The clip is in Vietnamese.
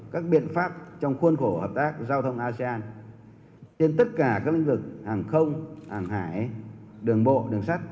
các biện pháp trong khuôn khổ hợp tác giao thông asean trên tất cả các lĩnh vực hàng không hàng hải đường bộ đường sắt